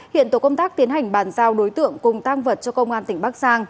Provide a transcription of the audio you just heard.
hiện tổ công tác tiến hành bàn giao đối tượng cùng tăng vật cho công an tỉnh bắc giang